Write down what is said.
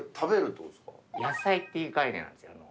野菜っていう概念なんです。